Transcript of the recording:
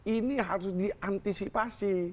ini harus diantisipasi